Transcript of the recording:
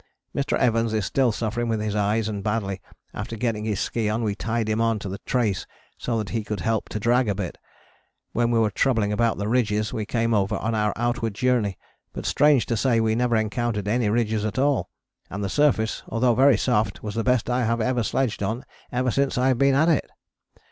Mr. Evans is still suffering with his eyes and badly, after getting his ski on we tied him on to the trace so that he could help to drag a bit, when we were troubling about the ridges we came over on our outward Journey, but strange to say we never encountered any ridges at all and the surface, although very soft, was the best I have ever sledged over ever since I have been at it.